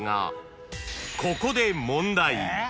［ここで問題］